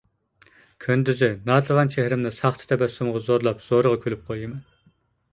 كۈندۈزى ناتىۋان چېھرىمنى ساختا تەبەسسۇمغا زورلاپ زورىغا كۈلۈپ قويىمەن.